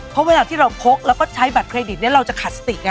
เพราะเวลาที่เราพกแล้วก็ใช้บัตรเครดิตเราจะขาดสติไง